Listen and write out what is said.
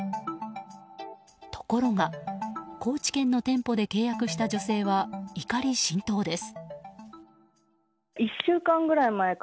ところが高知県の店舗で契約した女性は怒り心頭です。